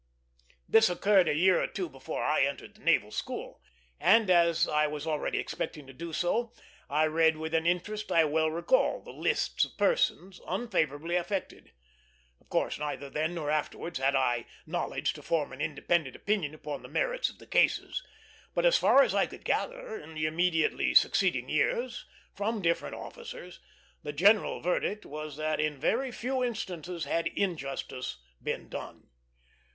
This occurred a year or two before I entered the Naval School: and, as I was already expecting to do so, I read with an interest I well recall the lists of person unfavorably affected. Of course, neither then nor afterwards had I knowledge to form an independent opinion upon the merits of the cases; but as far as I could gather in the immediately succeeding years, from different officers, the general verdict was that in very few instances had injustice been done.